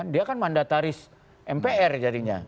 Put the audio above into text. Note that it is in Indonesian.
dia kan mandataris mpr jadinya